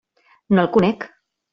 No el conec.